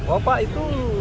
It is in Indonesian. oh pak itu